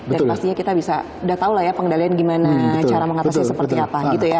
dan pastinya kita bisa udah tau lah ya pengendalian gimana cara mengatasi seperti apa gitu ya